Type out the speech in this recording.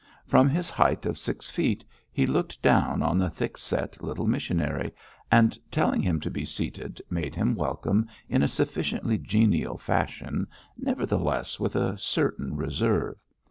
From his height of six feet, he looked down on the thick set little missionary, and telling him to be seated, made him welcome in a sufficiently genial fashion, nevertheless with a certain reserve.